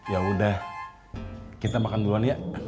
yaudah kita makan duluan ya